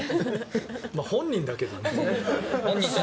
本人だけどね。